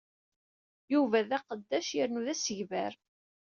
Yuba d aqeddac yernu d asegbar.